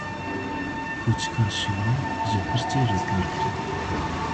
Kûçikan şivan ji hirçê rizgar kirin.